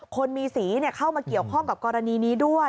คนมีสีเข้ามาเกี่ยวข้องกับกรณีนี้ด้วย